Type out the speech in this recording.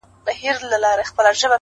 مړه راگوري مړه اكثر ـ